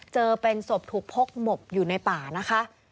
เจอเป็นศพถูกพกหมบอยู่ในป่านะคะ